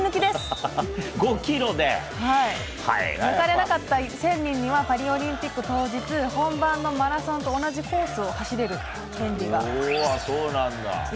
抜かれなかった１０００人にはパリオリンピック当日本番のマラソンと同じコースを走れる権利が。